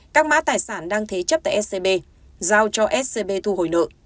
các mã tài sản đang thế chấp tại scb giao cho scb thu hồi nợ